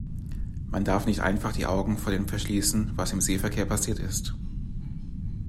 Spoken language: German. Man darf nicht einfach die Augen vor dem verschließen, was im Seeverkehr passiert ist.